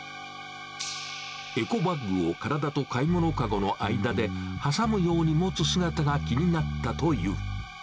エコバッグを体と買い物籠の間で、挟むように持つ姿が気になったという。